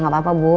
gak apa apa bu